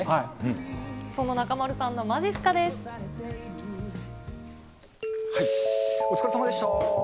そんな中丸さんのまじっすかお疲れさまでした。